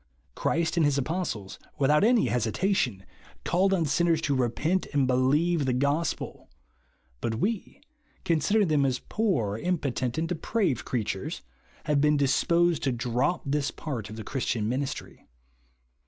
Christ and his apostles, without any hesitation, called on sinners to repent and believe the gospel ; but we, considering them as poor, im potent, and depraved creatures, have been disposed to drop this part of the Christian ministry.